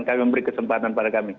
kami memberi kesempatan pada kami